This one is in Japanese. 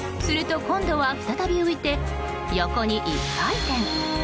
すると今度は再び浮いて横に１回転。